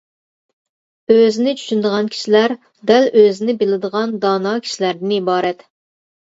ئۆزىنى چۈشىنىدىغان كىشىلەر دەل ئۆزىنى بىلىدىغان دانا كىشىلەردىن ئىبارەت.